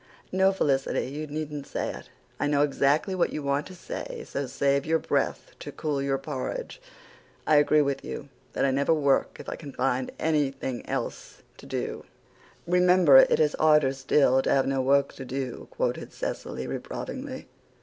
No, Felicity, you needn't say it. I know exactly what you want to say, so save your breath to cool your porridge. I agree with you that I never work if I can find anything else to do." "'Remember it is harder still To have no work to do,"' quoted Cecily reprovingly.